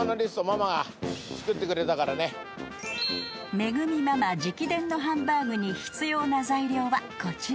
［めぐみママ直伝のハンバーグに必要な材料はこちら］